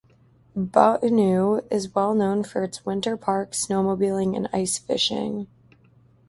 Bottineau is well known for its winter park, snowmobiling, and ice fishing.